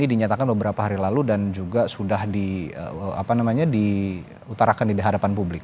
ini menyatakan beberapa hari lalu dan juga sudah di apa namanya diutarakan di dihadapan publik